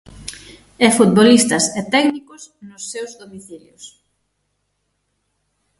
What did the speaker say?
E futbolistas e técnicos nos seus domicilios.